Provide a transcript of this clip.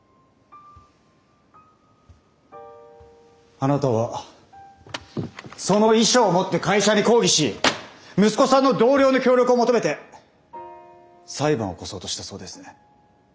あなたはその遺書を持って会社に抗議し息子さんの同僚の協力を求めて裁判を起こそうとしたそうですね。